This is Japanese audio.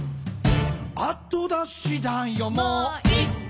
「あと出しだよもう一回！」